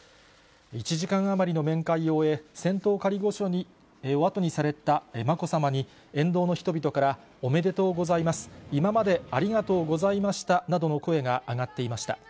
１時間余りの面会を終え、仙洞仮御所をあとにされたまこさまに、沿道の人々から、おめでとうございます、今までありがとうございましたなどと声が上がっていました。